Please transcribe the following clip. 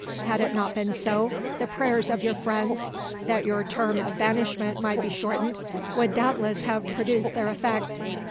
Had it not been so, the prayers of your friends, that your term of banishment might be shortened, would doubtless have produced their effect."